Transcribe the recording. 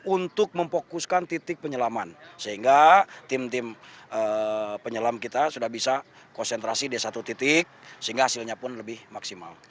untuk memfokuskan titik penyelaman sehingga tim tim penyelam kita sudah bisa konsentrasi di satu titik sehingga hasilnya pun lebih maksimal